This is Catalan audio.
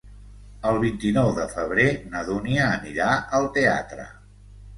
El vint-i-nou de febrer na Dúnia anirà al teatre.